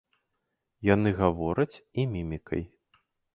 Яны гавораць і мімікай.